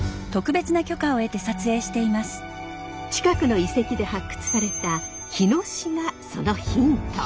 近くの遺跡で発掘された火のしがそのヒント。